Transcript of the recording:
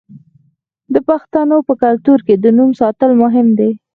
د پښتنو په کلتور کې د نوم ساتل مهم دي.